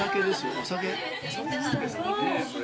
お酒なんですかね？